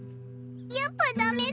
やっぱダメだ。